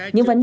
những vấn đề